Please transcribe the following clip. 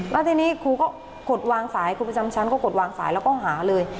แล้วทีนี้ครูก็กดวางสายครูประจำชั้นก็กดวางสายแล้วก็หาเลย